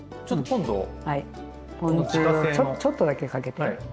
ポン酢をちょっとだけかけて。